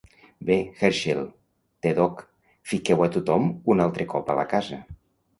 Bé, Hershel, T-Dog, fiqueu a tothom un altre cop a la casa.